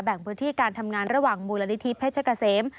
พื้นที่การทำงานระหว่างมูลนิธิเพชรเกษม